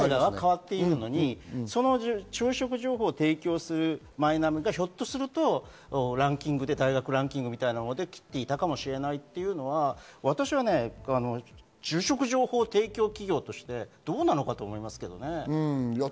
就職情報を提供するマイナビがひょっとするとランキングで大学で切っていたかもしれないというのは私は就職情報提供企業として、どうなのかと思いますけどね。